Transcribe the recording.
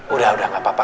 udah udah gak apa apa